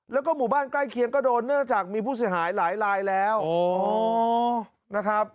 แล้วก็หมู่บ้านใกล้เคียงก็โดนเนื่องจากมีผู้เสียหายหลายลายแล้วอ๋อนะครับ